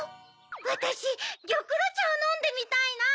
わたしギョクロちゃをのんでみたいな！